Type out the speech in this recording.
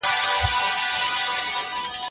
تاریخي کتابونه مې په دقت ولوستل.